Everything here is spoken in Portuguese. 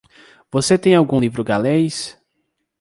Você tem algum livro galês?